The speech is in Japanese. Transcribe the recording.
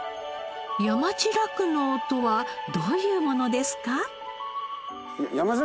山地酪農とはどういうものですか？